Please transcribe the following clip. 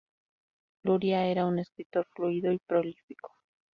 Luria era un escritor fluido y prolífico.